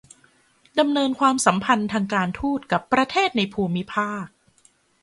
ดำเนินความสัมพันธ์ทางการทูตกับประเทศในภูมิภาค